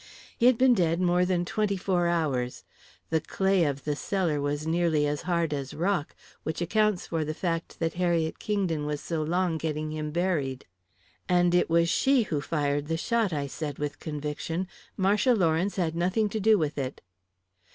He had been dead more than twenty four hours. The clay of the cellar was nearly as hard as rock, which accounts for the fact that Harriet Kingdon was so long getting him buried." "And it was she who fired the shot," I said, with conviction. "Marcia Lawrence had nothing to do with it."